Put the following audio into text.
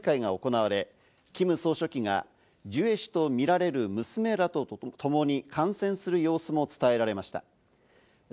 記念日に合わせ、政府職員らのサッカー大会が行われ、キム総書記がジュエ氏とみられる娘らとともに観戦する様子も伝えられました。